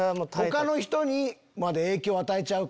他の人にまで影響を与えちゃう。